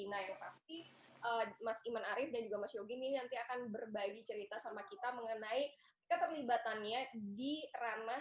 nah yang pasti mas iman arief dan juga mas yogi ini nanti akan berbagi cerita sama kita mengenai keterlibatannya di ranah